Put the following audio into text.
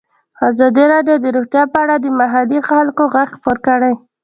ازادي راډیو د روغتیا په اړه د محلي خلکو غږ خپور کړی.